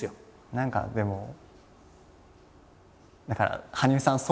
何かでも羽生さん